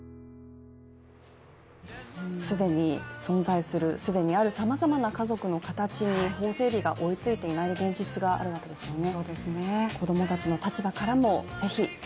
既に存在する、既にあるさまざまは家族の形に法整備が追いついていない現実があるわけですね。